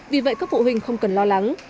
vì vậy các phụ huynh không cần lo lắng